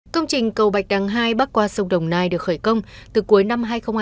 công trình cầu bạch đăng hai bắc qua sông đồng nai được khởi công từ cuối năm hai nghìn hai mươi một